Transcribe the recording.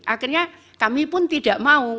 akhirnya kami pun tidak mau